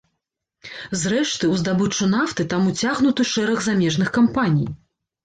Зрэшты, у здабычу нафты там уцягнуты шэраг замежных кампаній.